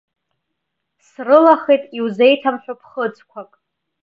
Срылахеит иузеиҭамҳәо ԥхыӡқәак.